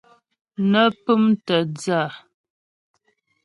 Nə́ pʉ́mtə̀ dhə́ a.